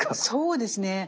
そうですね